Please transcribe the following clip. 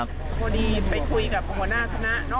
พอดีไปคุยกับหัวหน้าคณะ